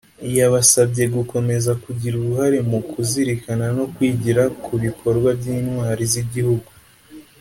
yabasabye gukomeza kugira uruhare mu kuzirikana no kwigira ku bikorwa by’Intwari z’Igihugu